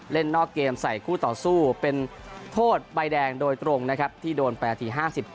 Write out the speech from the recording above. นอกเกมใส่คู่ต่อสู้เป็นโทษใบแดงโดยตรงนะครับที่โดนไปนาที๕๗